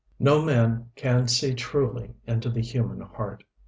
No man can see truly into the human heart.